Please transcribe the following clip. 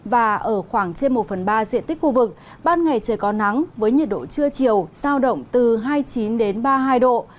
và ở khoảng trên một phần ba diện tích khu vực ban ngày trời có nắng với nhiệt độ trưa chiều sao động từ hai mươi chín ba mươi hai độ